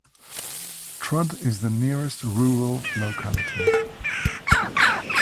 Trud is the nearest rural locality.